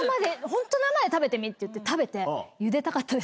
ホント生で食べてみって言って食べて。